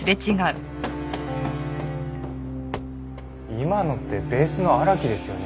今のってベースの荒木ですよね？